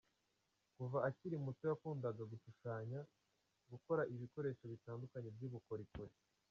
Kuva akiri muto yakundaga gushushanya, gukora ibikoresho bitandukanye by’ubukorikori.